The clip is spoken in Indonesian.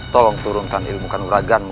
tolong turunkan ilmu kanuraganmu